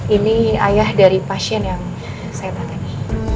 ini ayah dari pasien yang saya tangani